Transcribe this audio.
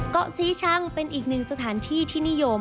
เกาะสีชังเป็นอีกหนึ่งสถานที่ที่นิยม